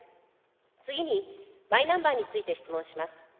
次にマイナンバーについて質問します。